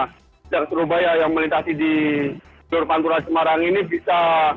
sejak surabaya yang melintasi di jalur pantura semarang ini bisa